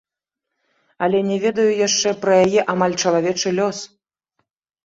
Але не ведаю яшчэ пра яе амаль чалавечы лёс.